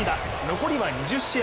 残りは２０試合。